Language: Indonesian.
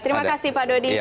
terima kasih pak dodi